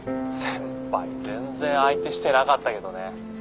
先輩全然相手してなかったけどね。